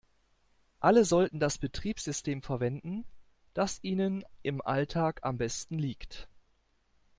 Alle sollten das Betriebssystem verwenden, das ihnen im Alltag am besten liegt.